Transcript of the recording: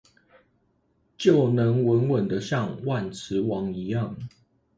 就能穩穩的像萬磁王一樣